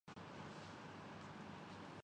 waste Indies کی team Karachi پہنچ گئی